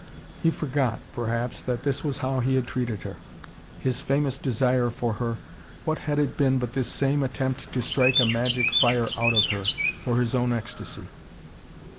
He forgot, perhaps, that this was how he had treated her. His famous desire for her, what had it been but this same attempt to strike a magic fire out of her, for his own ecstasy.